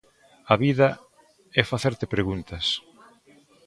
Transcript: A vida é facerte preguntas.